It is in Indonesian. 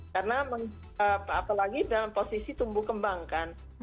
karena apalagi dalam posisi tumbuh kembang kan